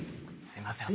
すいません